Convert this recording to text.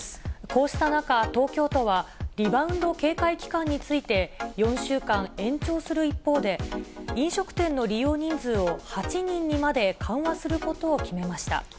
こうした中、東京都はリバウンド警戒期間について、４週間延長する一方で、飲食店の利用人数を８人にまで緩和することを決めました。